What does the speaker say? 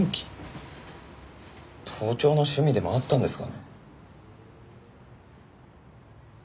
盗聴の趣味でもあったんですかね？